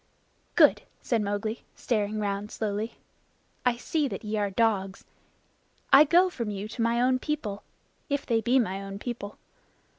"Good!" said Mowgli, staring round slowly. "I see that ye are dogs. I go from you to my own people if they be my own people.